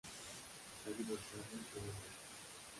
Está divorciado y tiene una hija.